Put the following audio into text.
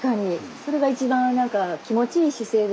それが一番何か気持ちいい姿勢ですよね。ですねえ。